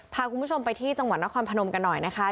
พาคุณผู้ชมไปที่จังหวัดนครพนมกันหน่อยนะคะ